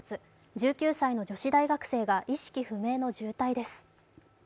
１９歳の女子大学生が意識不明の重体です。